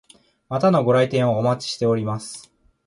またのご来店をお待ちしております。